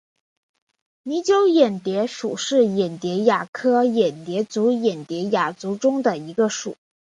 拟酒眼蝶属是眼蝶亚科眼蝶族眼蝶亚族中的一个属。